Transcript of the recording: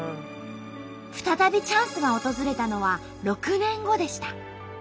再びチャンスが訪れたのは６年後でした。